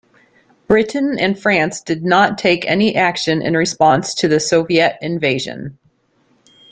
Britain and France did not take any action in response to the Soviet invasion.